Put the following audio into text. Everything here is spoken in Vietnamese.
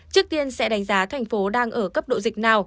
trước tiên sẽ đánh giá thành phố đang ở cấp độ dịch nào